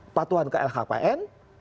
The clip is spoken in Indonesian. apakah terkena ke lhkpn